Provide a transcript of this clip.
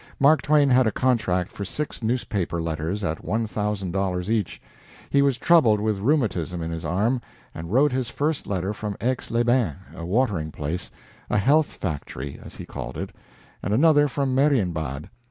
Mark Twain had a contract for six newspaper letters at one thousand dollars each. He was troubled with rheumatism in his arm, and wrote his first letter from Aix les Bains, a watering place a "health factory," as he called it and another from Marienbad.